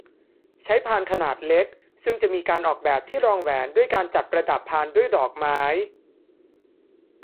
ใช้พานขนาดเล็กซึ่งจะมีการออกแบบที่รองแหวนด้วยการจัดประดับพานด้วยดอกไม้